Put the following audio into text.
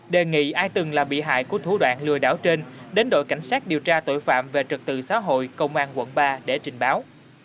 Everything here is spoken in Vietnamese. đề nghị ai từng là bị hại của thủ đoạn lừa đảo trên đến đội cảnh sát điều tra tội phạm về trật tự xã hội công an quận ba để trình báo